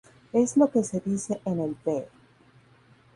Es lo que se dice en el v.